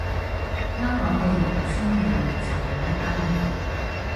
香港嘅羊村係完全另一單嘢